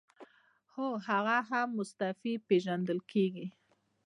هو هغه هم مستعفي پیژندل کیږي.